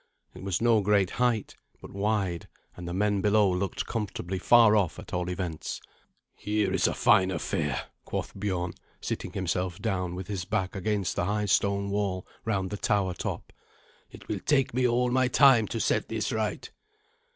It was no great height, but wide, and the men below looked comfortably far off at all events. "Here is a fine affair," quoth Biorn, sitting himself down with his back against the high stone wall round the tower top. "It will take me all my time to set this right."